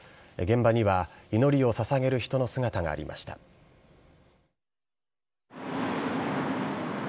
現場には祈りをささげる人の姿がありました。